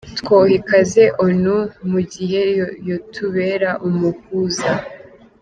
Twoha ikaze Onu mu gihe yotubera umuhuza.